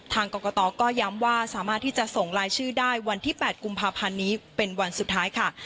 ทางกรกตก็ย้ำว่าสามารถที่จะส่งรายชื่อได้วันที่๘กุมภาพันธ์นี้เป็นวันสุดท้ายค่ะ